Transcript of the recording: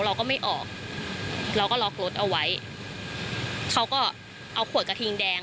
เราก็ไม่ออกเราก็ล็อกรถเอาไว้เขาก็เอาขวดกระทิงแดง